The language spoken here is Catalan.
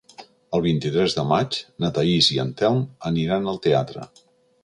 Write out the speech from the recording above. El vint-i-tres de maig na Thaís i en Telm aniran al teatre.